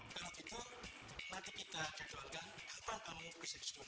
kalau gitu nanti kita jadwalkan kapan kamu bisa disetuju